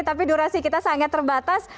tapi durasi kita sangat terbatas